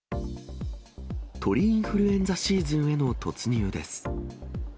鳥インフルエンザシーズンへの突入です。